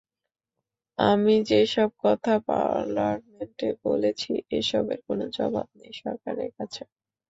আমি যেসব কথা পার্লামেন্টে বলেছি, এসবের কোনো জবাব নেই সরকারের কাছে।